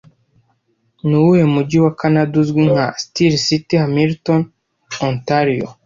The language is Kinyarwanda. Nuwuhe mujyi wa Kanada uzwi nka Steel City Hamilton - Ontario